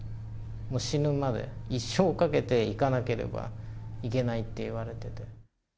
もう死ぬまで、一生かけて行かなければいけないっていわれてて。